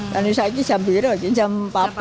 dan hari ini jam dua lagi jam empat